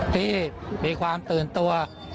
ที่มีความตื่นตัว